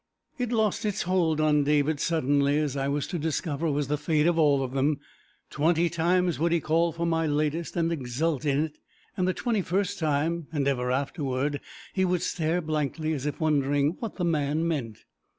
It lost its hold on David suddenly, as I was to discover was the fate of all of them; twenty times would he call for my latest, and exult in it, and the twenty first time (and ever afterward) he would stare blankly, as if wondering what the man meant.